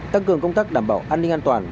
tăng cường công tác đảm bảo an ninh an toàn